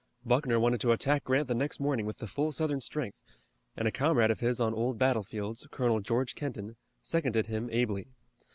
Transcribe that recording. Buckner wanted to attack Grant the next morning with the full Southern strength, and a comrade of his on old battlefields, Colonel George Kenton, seconded him ably.